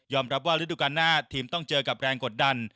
รับว่าฤดูการหน้าทีมต้องเจอกับแรงกดดัน